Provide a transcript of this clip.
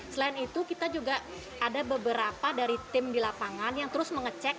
selain itu kita juga ada beberapa dari tim di lapangan yang terus mengecek